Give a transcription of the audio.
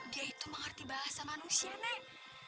dia itu mengerti bahasa manusia